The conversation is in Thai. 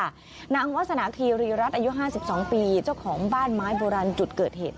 นางวาสนาคีรีรัฐอายุ๕๒ปีเจ้าของบ้านไม้โบราณจุดเกิดเหตุ